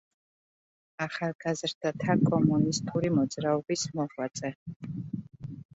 ახალგაზრდათა კომუნისტური მოძრაობის მოღვაწე.